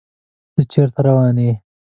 ته چیرته روان یې؟